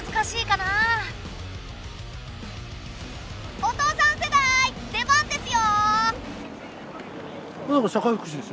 お父さん世代出番ですよ！